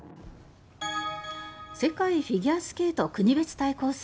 世界フィギュアスケート国別対抗戦。